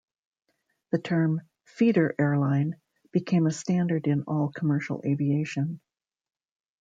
The term "feeder airline" became a standard in all commercial aviation.